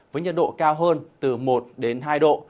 với nhiệt độ cao hơn từ một đến hai độ